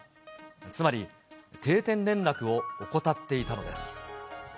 つまり、定点連絡を怠っていたのです。